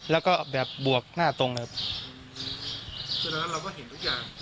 แล้วก็แบบบวกหน้าตรงเลยครับฉะนั้นเราก็เห็นทุกอย่าง